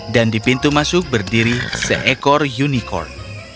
dan di pintu masuk berdiri seekor unicorn